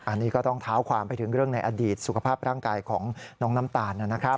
อันนี้ก็ต้องเท้าความไปถึงเรื่องในอดีตสุขภาพร่างกายของน้องน้ำตาลนะครับ